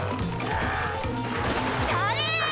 それ！